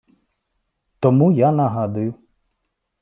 Тому я нагадую